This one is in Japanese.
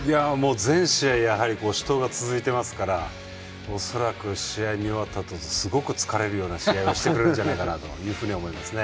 全試合、やはり死闘が続いていますから恐らく試合、見終わったあとすごく疲れるような試合をしてくれるんじゃないかと思いますね。